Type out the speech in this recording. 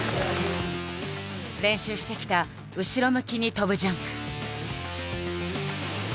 練習してきた後ろ向きに跳ぶジャンプ。